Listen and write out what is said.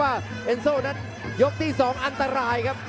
กลุ่มต่อส่วนวงนัดยกที่๒อันตรายครับ